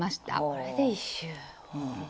これで１周。